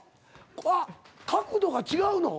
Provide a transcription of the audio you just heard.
わっ角度が違うの？